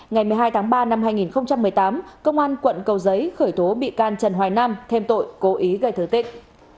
ngày một mươi hai tháng ba năm hai nghìn một mươi tám công an quận cầu giấy khởi tố bị can trần hoài nam thêm tội cố ý gây thương tích